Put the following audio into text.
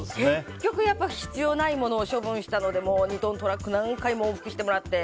必要ない物を処分したので２トントラックに何回も往復してもらって。